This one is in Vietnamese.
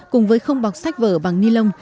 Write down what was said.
cùng với không bọc sách vở bằng ni lông